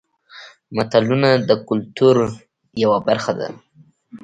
متلونه د کولتور یوه برخه ده